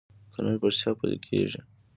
قانون پر چا پلی کیږي؟